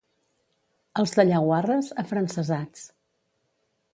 Els de Llaguarres, afrancesats.